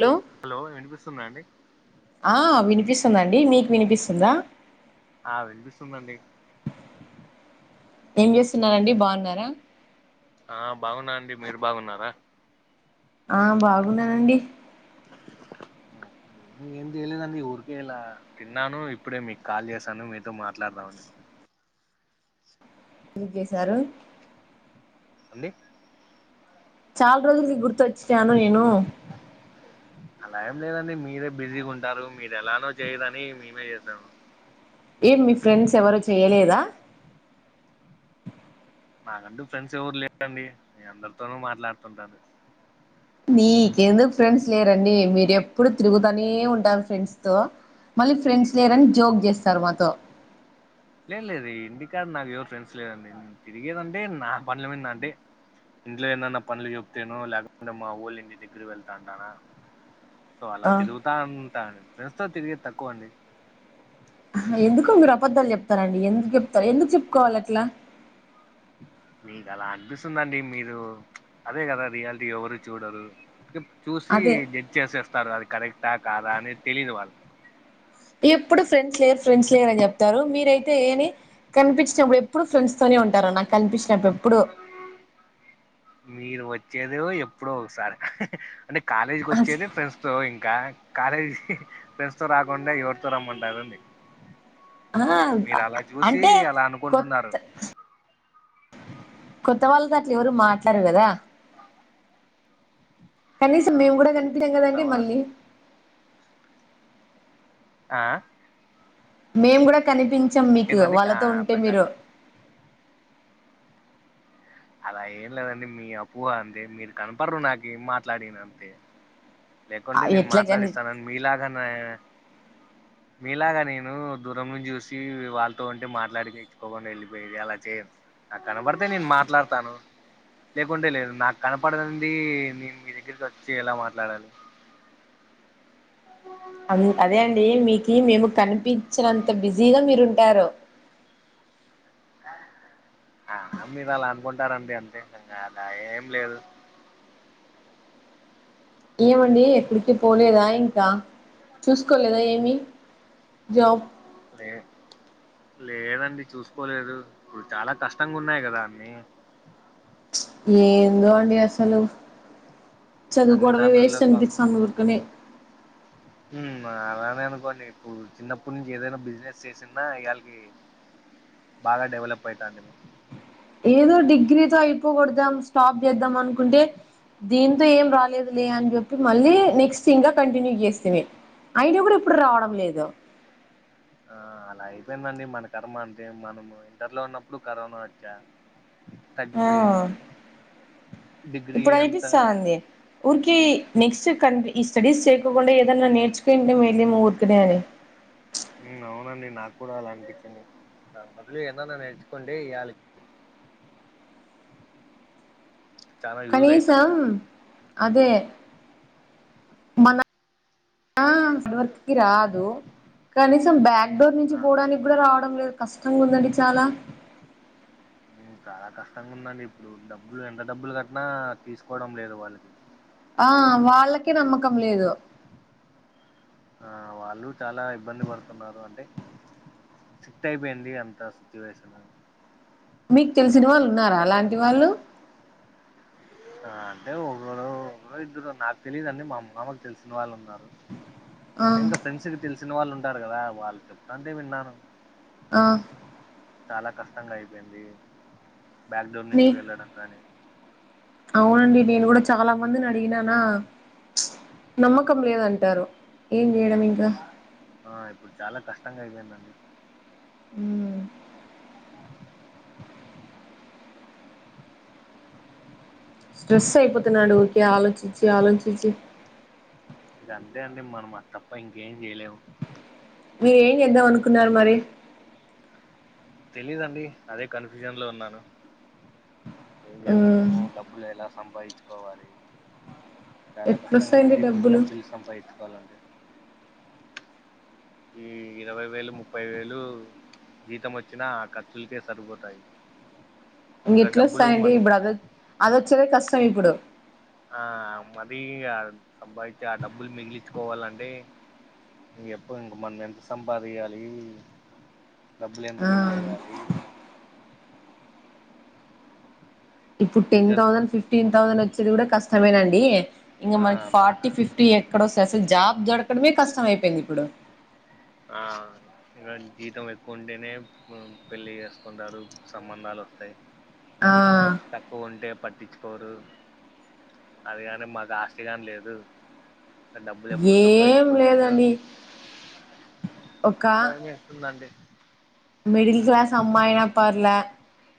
Hello hello వినిపిస్తుంద అండి ఆ వినిపిస్తుందండి మీకు వినిపిస్తుందా ఆ వినిపిస్తుందండి ఏం చేస్తున్నండి బాగున్నారా ఆ బాగున్నా అండి మీరు బాగున్నారా ఆ బాగున్నానండి ఏం చేయలేదండి ఊరికే ఇలా తిన్నాను ఇప్పుడే మీకు కాల్ చేసాను మీతో మాట్లాడదామని ఏం చేశారు అండి చాల రోజులకి గుర్తు వచ్చాను నేను అలా ఏం లేదండి మీరే బిజీగా ఉంటారు మీరు ఎలానో చేయరని మేమే చేసాము ఏం మీ ఫ్రెండ్స్ ఎవ్వరు చేయ్యలేదా నాకంటూ ఫ్రెండ్స్ ఎవరు లేరండి మీ అందరితోనూ మాట్లాడుతుంటాను నీకెందుకు ఫ్రెండ్స్ లేరండి మీరు ఎప్పుడు తిరుగుతనే ఉంటారు ఫ్రెండ్స్ తో మళ్ళీ ఫ్రెండ్స్ లేరని జోక్ చేస్తారు మాతో లేదు లేదు ఇంటి కాదు నాకు ఎవరు ఫ్రెండ్స్ లేదండి తిరిగేదంటే నా పడ్ల మీద అంటే ఇంట్లో ఏమన్నా పనులు చెప్తేనో లేకుంటే మా ఊళ ఇంటి దగ్గర వెళ్తా అంటానా సో అలా ఆ, తిరుగుతా ఉంటాం ఫ్రెండ్స్ తో తిరిగేది తక్కువ అండి ఎందుకు మీరు అబద్ధాలు చెప్తారండి ఎందుకు చెప్తారు ఎందుకు చెప్పుకోవాలి అట్లా మీకు అలా అనిపిస్తుందండి మీరు అదే కదా రియాలిటీ ఎవరు చూడరు చూసి అదే జడ్జ్ చేసేస్తారు వాది కరెక్టా కాదా అనేది తెలియదు వాళ్ళు ఎప్పుడు ఫ్రెండ్స్ లేరు ఫ్రెండ్స్ లేరు అని చెప్తారు మీరయితే ఏని కనిపించినప్పుడు ఎప్పుడు ఫ్రెండ్స్ తోనే ఉంటారు నాకు కనిపించినప్పుడు ఎప్పుడు మీరు వచ్చేదే ఎప్పుడో ఒకసారి అంటే కాలేజ్కి వచ్చేదే ఫ్రెండ్స్ తో ఇంకా కాలేజీ ఫ్రెండ్స్ తో రాకుండా ఎవర్తో రమ్మంటారండి ఆ మీరు అలా చూసి అంటే అలా అనుకుంటున్నారు కొత్త కొత్త వాళ్ళతో అట్లు ఎవరు మాట్లాడరు కదా కనీసం మేము కూడా కనిపించాం కొత్త కదండి వాళ్ళు మళ్ళీ ఆ మేము కూడా కనిపించాం మీకు ఏంటండి ఆ వాళ్ళతో ఉంటే అర్థం మీరు కాలే అలా ఏం లేదండి మీ అపోహ అంతే మీరు కనపడరు నాకి ఏం మాట్లాడిన అంతే లేకుంటే నేను ఎట్లా కని మాట్లాడిస్తాన మీలాగానే మీలాగా నేను దూరం నుంచి చూసి వాళ్ళతో ఉంటే మాట్లాడిచ్చుకోకుండా వెళ్ళిపోయేది అలా చేయను నాకు కనపడితే నేను మాట్లాడతాను లేకుంటే లేదు నాకు కనపడదండి నేను మీ దగ్గరికి వచ్చి ఎలా మాట్లాడాలి అదే అండి మీకు మేము కనిపించినంత బిజీగా మీరుంటారు ఆ మీరు అలా అనుకుంటారండి అంతే ఇంగ అలా ఏం లేదు ఏమండి ఎక్కడికిీ పోలేదా ఇంకా చూసుకోలేదా ఏమీ జాబ్ లేదు లేదండి చూసుకోలేదు ఇప్పుడు చాలా కష్టంగా ఉన్నాయి కదా అన్ని ఏందో అండి అసలు అన్ని చదువుకోడమే దానుల్లో వస్ట్ క- అనిపిస్తంది ఊరికనే ఉమ్మ్ అలానే అనుకోండి ఇప్పుడు చిన్నప్పటి నుంచి ఏదైనా బిజినెస్ చేసిన ఇయళకి బాగా డెవలప్ అయితంటిమీ ఏదో డిగ్రీతో అయిపోకోడదాం స్టాప్ చేద్దాం అనుకుంటే దీంతో ఏం రాలేదు లే అని చెప్పి మళ్ళీ నెక్స్ట్ ఇంకా కంటిన్యూ చేస్తిమీ అయినా కూడా ఇప్పుడు రావడం లేదు ఆ అలా అయిపోయిందండి మన కర్మ అంతే మనం ఇంటర్లో ఉన్నప్పుడు కరోనా వచ్చా ఆ తగ్గిపోయింది అది డిగ్రీ ఇప్పుడు అంతా అనిపిస్తాంది ఊరికి నెక్స్ట్ కంటీ ఈ స్టడీస్ చేయకోకుండా ఏదన్నా నేర్చుకుంటే ఊరికనే అని ఉమ్ అవునండి నాకు కూడా అలా అనిపించింది దాని బదులు ఎందన్న నేర్చుకోంటీ ఇయల చాలా యూజ్ కనీసం అయితాంది అదే మన వర్క్ రాదు కనీసం బ్యాక్డోర్ నుంచి ఆ పోడానికి కూడా రావడం లేదు కష్టంగా ఉందండి చాలా చాలా కష్టంగా ఉందండి ఇప్పుడు డబ్బులు ఎంత డబ్బులు కట్టినా తీసుకోవడం లేదు వాళ్ళకి ఆ వాళ్ళకే నమ్మకం లేదు ఆ వాళ్ళు చాలా ఇబ్బంది పడుతున్నారు అంటే స్ట్రిక్ట్ అయిపోయింది అంత సిచ్యువేషన్ మీకు తెలిసిన వాళ్ళు ఉన్నారా అలాంటి వాళ్ళు అంటే ఒకరు ఒకరు ఇద్దరు నాకు తీలిదండి మా మామ కి తెలిసిన వాళ్ళు ఉన్నారు ఆ అంటే ఇంకా ఫ్రెండ్స్ కి తెలిసిన వాళ్ళు ఉంటారు కదా వాళ్ళు చెప్తంటే విన్నాను ఆ చాలా కష్టంగా అయిపోయింది బ్యాక్డోర్ నీ నుంచి వెళ్ళడం గాని అవునండి నేను కూడా చాలా మందిని అడిగినానా నమ్మకం లేదంటారు ఏం చేయడం ఇంకా ఆ ఇప్పుడు చాలా కష్టంగా అయిపోయిందండి మ్మ్. స్ట్రెస్ అయిపోతున్నాడు ఊరికే ఆలోచించి ఆలోచించి ఇంకా అంతే అండి మనం అది తప్ప ఇంకేం చేయలేము మీరు ఏం చేద్దాం అనుకున్నారు మరి తిలిదండి అదే కన్ఫ్యూజన్ లో ఉన్నాను ఏం మ్మ్. చేద్దాము డబ్బులు ఎలా సంపాదించుకోవాలి చాలా కష్టం ఎట్లొస్తాయండి కదండి ఇప్పుడు డబ్బులు డబ్బుల్లు సంపాదించుకోవాలంటి ఈ ఇరవై వేలు ముప్పై వేలు జీతం వచ్చినా ఖర్చు లకే సరిపోతాయి ఇంకా ఇంకెట్లు డబ్బులు వస్తాయిండి మన ఇప్పుడు అద అది వచ్చేదే కష్టం ఇప్పుడు ఆ మరీ సంపాదించి ఆ డబ్బులు మిగిలిచ్చుకోవాలండే ఇగ ఎప్పుడు ఇంక మనం ఎంత సంపాదీయాలి డబ్బులు ఎంత మిగిలి ఆ వేయాలి ఇప్పుడు ten future thousand fifteen thousand వచ్చేది కూడా కష్టమేనండి ఇంకా ఆ మనకి దా ఫార్టీ ఫిఫ్టీ ఇక్కడ వస్తే అసలు జాబ్ దొరకడమే కష్టమయిపోయింది ఆ ఇగ జీతం ఎక్కువ ఉంటేనే పెళ్లి చేసుకుంటారు సంబంధాలు వస్తాయి ఆ తక్కువ ఉంటే పట్టించుకోరు అది కాని మాకు ఆస్తి గాని లేదు ఇగ డబ్బులు ఎప్పుడు ఏం సంపావించుకులేదు లేదండి ఒక భయం వేస్తుందండి మిడిల్ క్లాస్ అమ్మాయినా పర్లే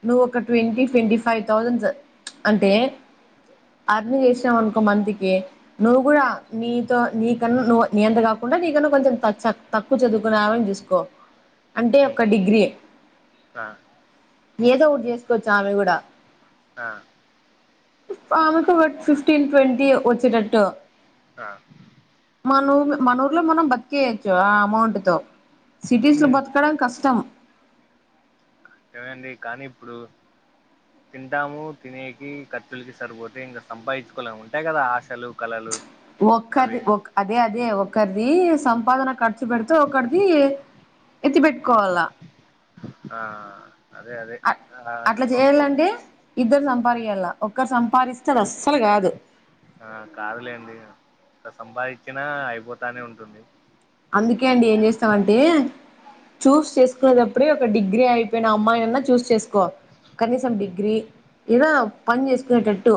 నువ్వు ఒక ట్వంటీ ట్వంటీ ఫైవ్ థౌసండ్ అంటే అర్ ను చేసినవ్ అనుకో మంత్లీ కి నువ్వు కూడా నీతో నీ కన్నా నువ్వు నీ అంత కాకుండా నీ కన్నా కొంచెం చదువుకున్నావని చూసుకో అంటే ఒక ఉమ్, డిగ్రీ ఆ ఏదో ఒకటి చేసుకోవచ్చ ఆమె కూడా ఆ అమెకు ఒక ఫిఫటీన్ ట్వంటీ వచ్చినట్టు ఆ మానూరు మన ఊర్లో మనం బతికేయొచ్చు ఆ అమౌంట్ సిటీస్ లో ఉమ్, బతకడం కష్టం అదే అండి కానీ ఇప్పుడు తింటాము తినేకి ఖర్చులకి సరిపోతే ఇంకా సంపాదించుకోవలే ఉంటాయి కదా ఆశలు కళలు ఒక్కరిది అవి అదే అదే ఒకరిది సంపాదన ఖర్చు పెడితే ఒకరిది ఎత్తి పెట్టుకోవాలా ఆ అదే అదే అది అట్లా కొనుకో చేయాలంటే ఇద్దరు సంపాదయాలలా ఒక్కరు సంపాదిస్తే అది అస్సలు కాదు ఆ కాదులేండి ఎంత సంపాదించినా అయిపోతానే ఉంటుంది అందుకే అండి ఏం చేస్తామంటే చూస్ చేసుకునేటప్పుడే ఒక డిగ్రీ అయిపోయిన అమ్మాయినీ అన్నా చూస్ చేసుకోవలి కనీసం డిగ్రీ ఏదో పని చేసుకునేటట్టు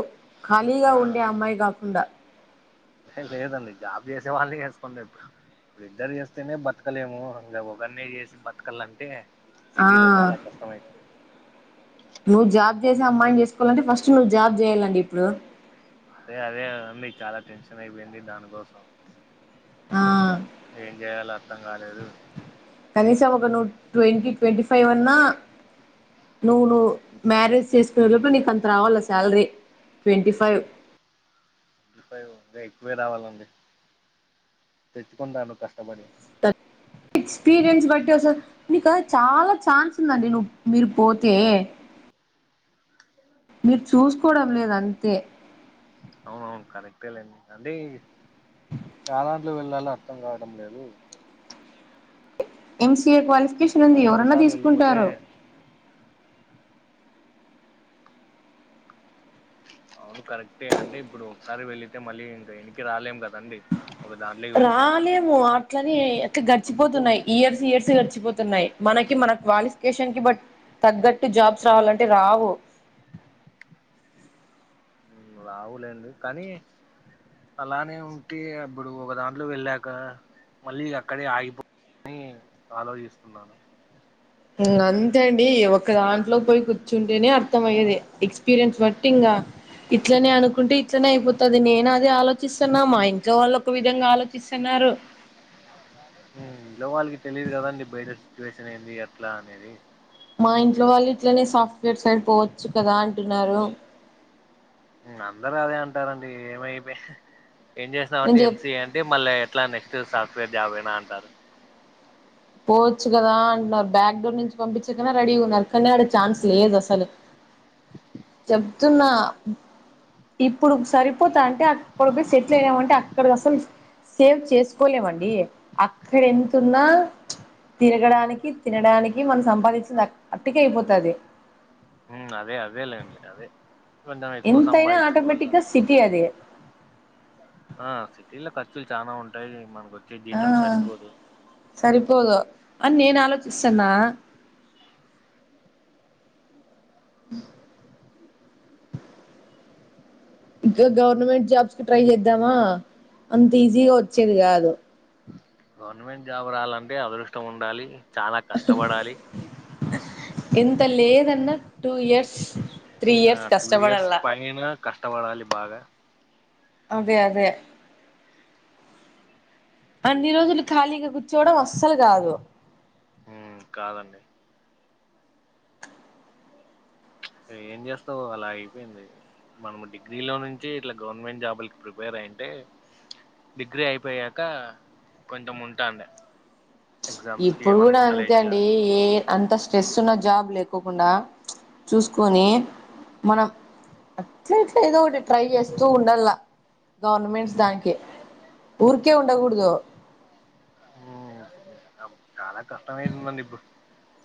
ఆ ఖాళీగా ఉండే అమ్మాయి కాకుండా లేదండి జాబ్ చేసే వాళ్ళకి చేసుకుంటా ఎప్పుడు ఇప్పుడు ఇద్దరు చేస్తేనే బతకలేము ఇంకా ఒకరినే చేసి బతకలంటే ఆ సిటీలో చాలా కష్టమైంది నువ్వు జాబ్ చేసే అమ్మాయిని చేసుకోవాలంటే ఫస్ట్ నువ్వు జాబ్ చేయ్యాలండి ఇప్పుడు అదే అదేం మీకు చాలా టెన్షన్ అయిపోయింది దానికోసం ఆ ఏం చేయయాలో అర్థం కాలేదు కనీసం ఒక నువ్వు ట్వంటీ ట్వంటీ ఫైవ్ అన్నా నువ్వు నువు మ్యారేజ్ చేసుకునేలోపు నీకు అంత రావాల శాలరీ ట్వంటీ ఫైవ్ ఇగ అంటే ఎక్కువే రావాలండి తెచ్చుకుంటాను కష్టపడి ఎక్స్పీరియన్స్ బట్టి నీకు చాలా ఛాన్స్ వస్తుందండి నువ్వు మీరు పోతే మీరు చూసుకోవడం లేదు అంతే అవునవును కరెక్టే లేండి అంటే చాలాంట్లో వెళ్ళాలి అర్థం కావడం లేదు ఎంసీఏ క్వాలిఫికేషన్ ఉంది మళ్ళీ ఎవరన్నా ఒకసారి వెళ్ళిపోతే తీసుకుంటారు అవును కరెక్టే అండి ఇప్పుడు ఒకసారి వెళ్ళితే మళ్ళీ ఇంకా ఎనకి రాలేం కదండి ఒక దాని రాలేము అట్లని అట్లా అందుకు గడిచిపోతున్నాయ్ ఇయర్స్ ఇయర్స్ గడిచిపోతున్నాయి మనకి మన క్వాలిఫికేషన్ కి బట్ తగ్గట్టు జాబ్స్ రావాలంటే రావు రావులేండి కానీ అలానే ఉంటే అప్పుడు ఒక దాంట్లో వెళ్ళాక మళ్ళీ అక్కడే ఆగిపోతు అని ఆలోచిస్తున్నాను ఇంగ అంతే అండి ఒక దాంట్లోకి పోయి కూర్చుంటేనే అర్థం అయ్యేది ఎక్స్పీరియన్స్ బట్టి ఇంకా ఇట్లనే అనుకుంటే ఇట్లనే అయిపోతది నేను అది ఆలోచిస్తున్నా మా ఇంట్లో వాళ్ళు ఒక విధంగా ఆలోచిస్తున్నారు హ్మ్ ఇంట్లో వాళ్ళకి తెలిదు కదండి బయట సిచ్యువేషన్ ఏంది ఎట్లా అనేది మా ఇంట్లో వాళ్ళు ఇట్లనే సాఫ్ట్వేర్ సైడ్ పోవచ్చు కదా అంటున్నారు అందరూ అదే అంటారండి ఏమైపో ఏం నేను చేసావంటే చెప్ ఎంసిఏ అంటే మళ్ళ ఇట్లా నెక్స్ట్ సాఫ్ట్వేర్ జాబేనా అంటారు పోవచ్చు కదా అంటన్నారు బ్యాక్ డోర్ నుంచి పంపించేకన్నా రెడీ ఉన్నారు కానీ ఆడ ఛాన్స్ లేదు అసలు చెప్తున్నా ఉమ్, ఇప్పుడు కి సరిపోతా అంటే అక్కడకి సెటిల్ అయినామంటే అక్ అక్కడ అసలు సేవ్ చేసుకోలేమండి అక్కడ ఎంతున్నా తిరగడానికి తినడానికి మనం సంపాదించింది అ అట్కి అయిపోతాది హ్మ్ అదే అదే లేండి అదే కొంచెం ఎక్కువ సంపాదించుకోవాలా అ అదే ఆ సిటీలో ఖర్చులు చానా ఉంటాయి మనకు వచ్చే ఆ జీతం సరిపోదు సరిపోదు అని నేను ఆలోచిస్తన్న నా ఇంకా గవర్నమెంట్ జాబ్స్ కి ట్రై చేద్దామా అంత ఈజీగా వచ్చేది కాదు గవర్నమెంట్ జాబ్ రాలంటే అదృష్టం ఉండాలి చానా కష్టపడాలి ఎంత లేదన్నా టూ ఇయర్స్ త్రీ ఆ ఇయర్స్ టూ ఇయర్స్ కష్టపడల్లా పైన కష్టపడాలి బాగా అదే అదే అన్ని రోజులు ఖాళీగా కూర్చోవడం అస్సలు కాదు హ్మ్ కాదండి ప్చ్ ఏం చేస్తావు అలా అయిపోయింది మనము డిగ్రీ లో నుంచి ఇట్లా గవర్నమెంట్ జాబులకి ప్రిపేర్ అయుంటే డిగ్రీ అయిపోయాక కొంచెం ఉంటాంది ఇప్పుడు కూడా అంతే అండి ఏ అంత స్ట్రెస్ ఉన్న జాబ్ లేకోకుండా చూసుకొని మనం అట్ ఏదో ఒకటి ట్రై చేస్తూ ఉండాల గవర్నమెంట్స్ దానికి ఊరుకే ఉండకూడదు హ్మ్ చాలా కష్టమైతుందండి ఇప్పుడు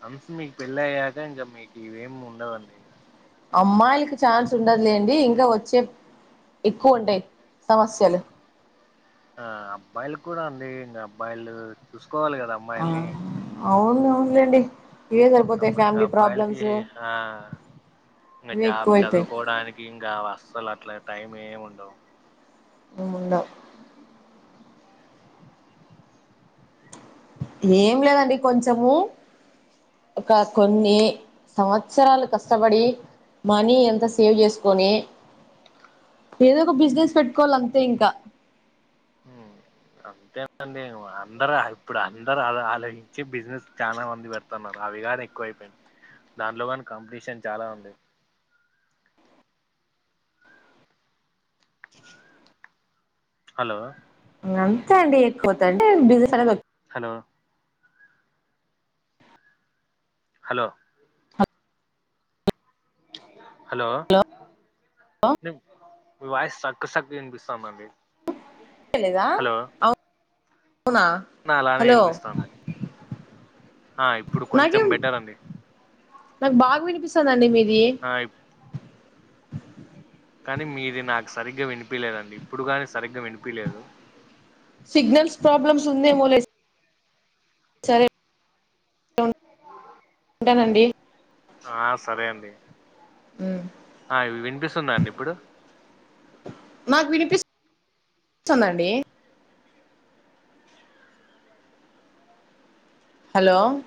వన్స్ మీకు పెళ్ళి అయ్యాక ఇంకా మీకు ఇవేమి ఉండవండి అమ్మాయిలకి ఛాన్స్ ఉండదులేండి ఇంకా వచ్చే ఎక్కువ ఉంటాయి సమస్యలు ఆ అబ్బాయిలకు కూడా అండి ఇంకా అబ్బాయిలు చూసుకోవాలి కదా అమ్మాయిల్ని అవును అవునులేండి ఇవే సరిపోతాయి అప్పుడింక ఫ్యామిలీ అబ్బాయిలకి ప్రాబ్లమ్స్ ఆ ఇంకా ఇవే జాబ్ ఎక్కువైతాయి చదువుకోడానికి ఇంకా అసలు అట్లా టైం ఏమి ఉండవు మేం ఉందా ఏం లేదండి కొంచము ఒక కొన్ని సంవత్సరాలు కష్టపడి మనీ ఎంత సేవ్ చేసుకొని ఏదో ఒక బిజినెస్ పెటుకోవాలి అంతే ఇంకా ఆ అంతేనండి అందరు ఆల్ ఇప్పుడు అందరు అ అలాచ్చి బిజినెస్ చాలా మంది పెడత్ న్నారు అవి కానీ ఎక్కువ అయిపోయింది దాంట్లో కాని కాంపిటీషన్ చాలా ఉంది హలో అంతే అండి ఎక్కువవుతుంది అంటే బిజినెస్ అనేది హలో హలో హలో వినిపిస్ మీ వాయసు స్ట్రక్ స్ట్రక్ వినిపిస్తానండి తె లేదా అవున్ అవునా అలానే హలో పిలిపిస్తాందిండి ఆ ఇప్పుడు కొంచెం నాకేం బెటర్ అండి నాకు బాగ్ వినిపిస్తదండి మీది ఆ ఇప్ కానీ మీది నాకు సరిగ్గా వినిపిలేదండి ఇప్పుడు గానీ సరిగ్గా వినిపిలేదు సిగ్నల్స్ ప్రాబ్లమ్స్ ఉందే మోలే సరే ఉంటానండి ఆ సరే అండి ఉ ఆ ఇన్ వినిపిస్తుంద అండి ఇప్పుడు మాకు వినిపిస్తుందండి హలో